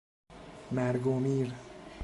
مرگ و میر